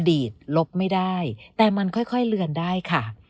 ดีตลบไม่ได้แต่มันค่อยเลือนได้ค่ะ